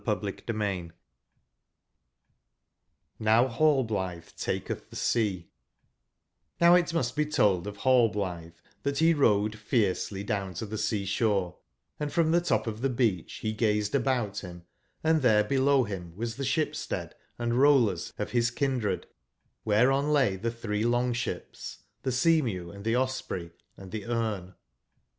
12 Chapter XV>]Vow Rallblitbc tahctb the 9ea>^^ B:J5K^S^5^35SO(n must it be told of nail blithe that he rode fiercely down to the sea shore, & from the top of the beach he gazed about him, & there below him was the Ship stead and the Rollers of his kin dred, whereon lay the three long ships, the Seamew, & the Osprey and the 6me.